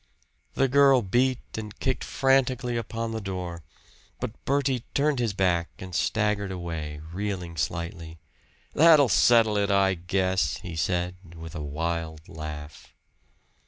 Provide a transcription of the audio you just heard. The girl beat and kicked frantically upon the door. But Bertie turned his back and staggered away, reeling slightly. "That'll settle it, I guess," he said, with a wild laugh.